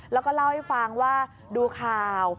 แล้วก็เล่าให้ฟังว่าดูข่าว